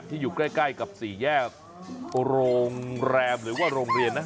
อยู่ใกล้กับสี่แยกโรงแรมหรือว่าโรงเรียนนะ